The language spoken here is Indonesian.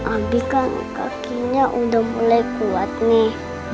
ambi kan kakinya udah mulai kuat nih